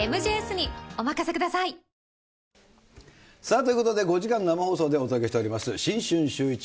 ということで、５時間生放送でお届けしております、新春シューイチ。